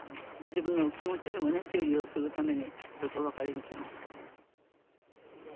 自分の気持ちにもね、整理をするために、ちょっとお別れに来ました。